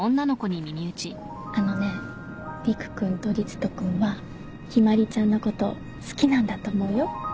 あのねリク君とリツト君はヒマリちゃんのこと好きなんだと思うよ。